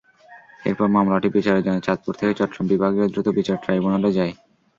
এরপর মামলাটি বিচারের জন্য চাঁদপুর থেকে চট্টগ্রাম বিভাগীয় দ্রুত বিচার ট্রাইব্যুনালে যায়।